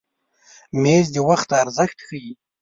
مېز د وخت ارزښت ښیي.